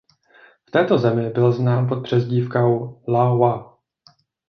V této zemi byl znám pod přezdívkou „Lao Wa“.